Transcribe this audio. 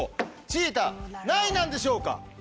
チーター何位なんでしょうか？